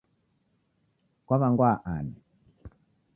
Kwawangwaa ani?